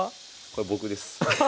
これ僕です。